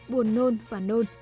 buồn nôn và nôn